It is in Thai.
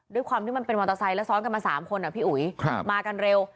ด้วยความที่มันเป็นมอเตอร์ไซค์แล้วซ้อนกันมา๓คนพี่อุ๋ยมากันเร็ว